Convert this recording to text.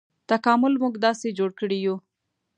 تکامل موږ داسې جوړ کړي یوو.